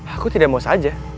aku tidak mau saja